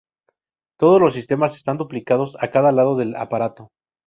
Todos los sistemas están duplicados a cada lado del aparato.